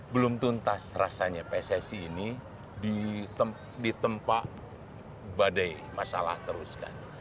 belum tuntas rasanya pssi ini ditempa badai masalah teruskan